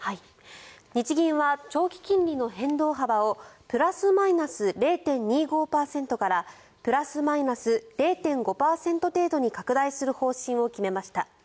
日銀は長期金利の変動幅をプラスマイナス０．２５％からプラスマイナス０．５％程度に拡大する方針を決めました。